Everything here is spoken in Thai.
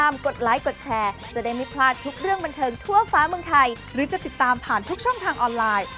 มีเรื่องบันเทิงทั่วฟ้าเมืองไทยหรือจะติดตามผ่านทุกช่องทางออนไลน์